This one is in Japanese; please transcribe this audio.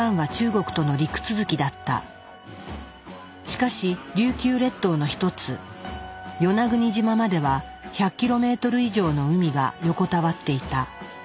しかし琉球列島の一つ与那国島までは１００ｋｍ以上の海が横たわっていた。